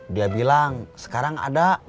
dia bilang sekarang ada